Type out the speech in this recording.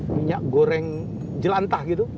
minyak goreng jelantah gitu